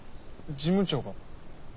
事務長が？